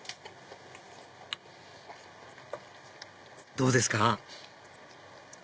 どうですか？